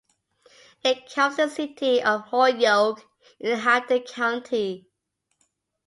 It covers the city of Holyoke in Hampden County.